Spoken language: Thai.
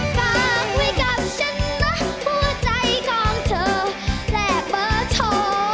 ฝากไว้กับฉันนะหัวใจของเธอแลกเบอร์โทร